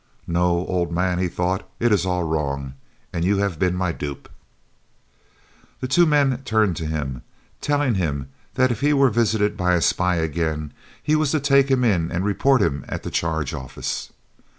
"No, old man," he thought, "it is all wrong, and you have been my dupe." The men then turned to him, telling him that if he were visited by a spy again he was to take him in and report him at the Charge Office.